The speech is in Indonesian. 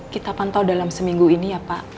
kita pantau dalam seminggu ini ya pak